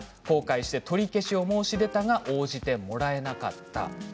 後悔して取り消しを申し出たが応じてもらえなかった。